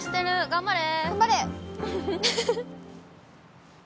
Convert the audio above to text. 頑張れ。